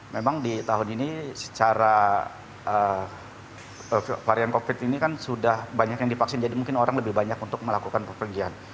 memang di tahun ini secara varian covid ini kan sudah banyak yang divaksin jadi mungkin orang lebih banyak untuk melakukan perpergian